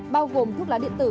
bao gồm thuốc lá điện tử